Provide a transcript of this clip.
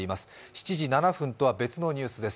７時７分とは別のニュースです。